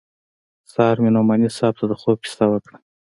سهار مې نعماني صاحب ته د خوب کيسه وکړه.